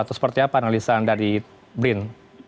atau seperti apa analisa dari blin